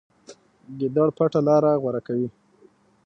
ګیدړ پټه لاره غوره کوي.